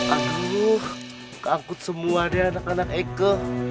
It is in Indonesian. aduh kagut semua deh anak anak eike